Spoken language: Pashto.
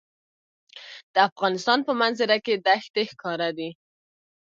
د افغانستان په منظره کې دښتې ښکاره دي.